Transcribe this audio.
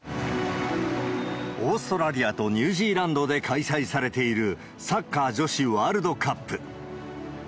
オーストラリアとニュージーランドで開催されている、サッカー女子ワールドカップ。